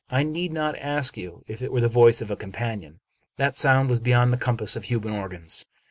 I need not ask you if it were the voice of a companion. That sound was beyond the compass of human organs.